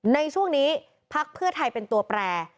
ในช่วงนี้พักเพื่อไทยเป็นตัวแปร